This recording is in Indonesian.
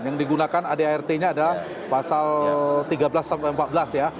yang digunakan adart nya adalah pasal tiga belas sampai empat belas ya